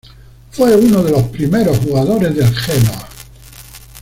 Fue uno de los primeros jugadores del Genoa.